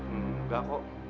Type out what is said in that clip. hmm enggak kok